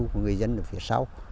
của người dân ở phía sau